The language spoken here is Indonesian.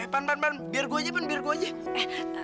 eh pan pan pan biar gua aja pan biar gua aja